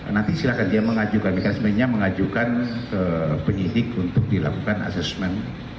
nanti silahkan dia mengajukan mekanismenya mengajukan ke penyidik untuk dilakukan assessment